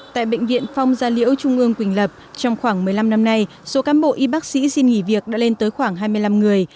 tại bệnh viện phong gia liễu trung ương quỳnh lập trong khoảng một mươi năm năm nay số cám bộ y bác sĩ xin nghỉ việc đã lên tới khoảng hai mươi năm người